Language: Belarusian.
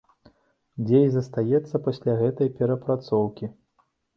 Дзе і застанецца пасля гэтай перапрацоўкі.